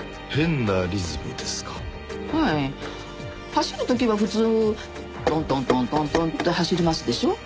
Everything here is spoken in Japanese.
走る時は普通トントントントントンって走りますでしょう？